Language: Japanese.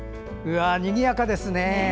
にぎやかですね！